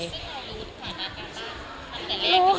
แล้วพี่ก็รู้ความรักของพ่อแม่